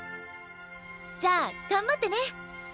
じゃあ頑張ってね。